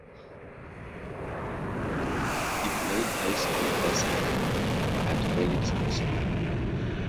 He played high school basketball at Helix High School.